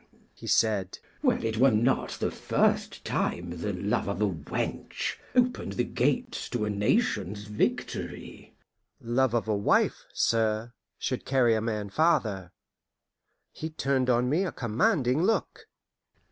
he said. "Well, it were not the first time the love of a wench opened the gates to a nation's victory." "Love of a wife, sir, should carry a man farther." He turned on me a commanding look.